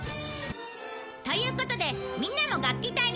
ということでみんなも楽器隊に参加しよう！